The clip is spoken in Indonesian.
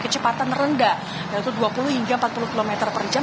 kecepatan rendah yaitu dua puluh hingga empat puluh km per jam